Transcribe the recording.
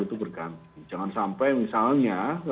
itu berganti jangan sampai misalnya